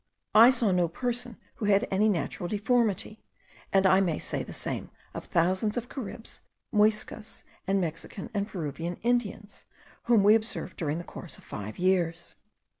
I saw no person who had any natural deformity; and I may say the same of thousands of Caribs, Muyscas, and Mexican and Peruvian Indians, whom we observed during the course of five years.